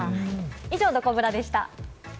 以上、どこブラでした。